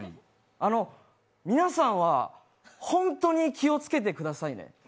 皆さんは、本当に気をつけてくださいね。